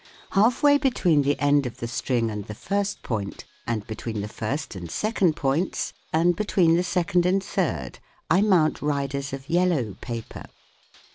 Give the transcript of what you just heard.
Half way between the end of the string and the first point, and between the first and second points and between the second and third, I mount riders of yellow paper.